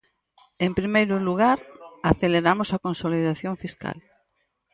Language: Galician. En primeiro lugar, aceleramos a consolidación fiscal.